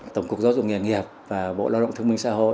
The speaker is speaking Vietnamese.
tổng cục giáo dục nghề nghiệp và bộ lao động thương minh xã hội